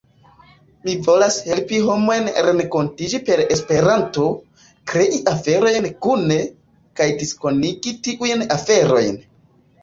Mi volas helpi homojn renkontiĝi per Esperanto, krei aferojn kune, kaj diskonigi tiujn aferojn.